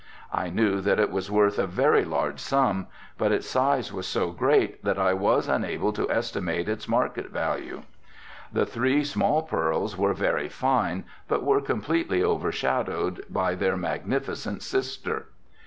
I knew that it was worth a very large sum, but its size was so great that I was unable to estimate its market value. The three small pearls were very fine, but were completely overshadowed by their magnificent sister.